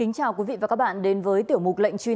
kính chào quý vị và các bạn đến với tiểu mục lệnh truy nã